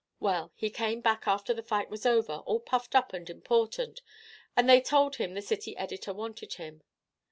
Well, he came back after the fight was over, all puffed up and important, and they told him the city editor wanted him.